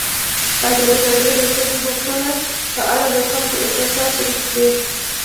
ازادي راډیو د د ښځو حقونه په اړه د خلکو احساسات شریک کړي.